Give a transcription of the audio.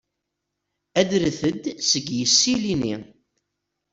Adret-d seg yisili-nni.